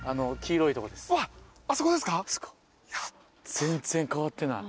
全然変わってない。